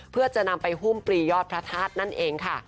เพื่อจะนำไปหุ้มปรียอดพระธาตุนั่นเองค่ะ